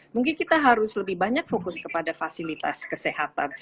mungkin kita harus lebih banyak fokus kepada fasilitas kesehatan